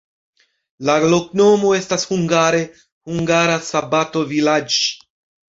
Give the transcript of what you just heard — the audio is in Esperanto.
La loknomo estas hungare: hungara-sabato-vilaĝ'.